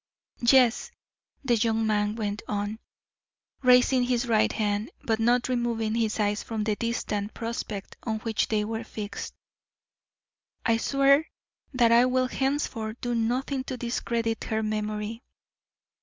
"Yes," the young man went on, raising his right hand, but not removing his eyes from the distant prospect on which they were fixed, "I swear that I will henceforth do nothing to discredit her memory.